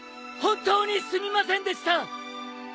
本当にすみませんでした！